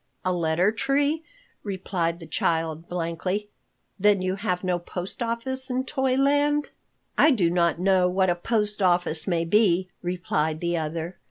"A letter tree?" replied the child blankly. "Then you have no post office in Toyland?" "I do not know what a post office may be," replied the other.